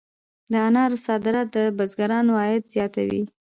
د انارو صادرات د بزګرانو عاید زیاتوي.